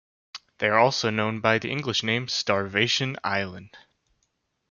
They are also known by the English name "Starvation Island".